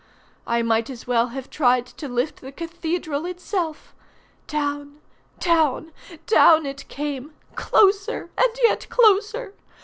I might as well have tried to lift the cathedral itself. Down, down, down it came, closer and yet closer.